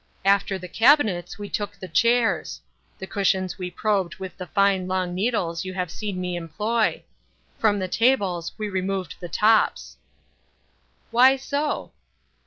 After the cabinets we took the chairs. The cushions we probed with the fine long needles you have seen me employ. From the tables we removed the tops." "Why so?"